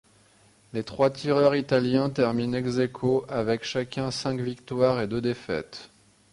Les trois tireurs italiens terminent ex-æquo avec chacun cinq victoires et deux défaites.